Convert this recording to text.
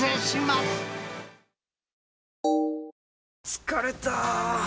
疲れた！